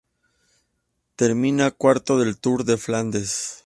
Termina cuarto del Tour de Flandes.